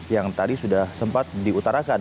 yang tadi sudah sempat diutarakan